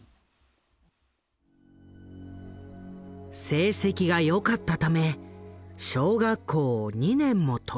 成績が良かったため小学校を２年も飛び級。